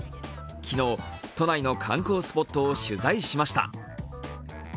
昨日、都内の観光スポットを取材しました。